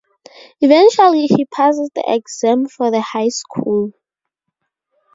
Eventually he passes the exam for the high school.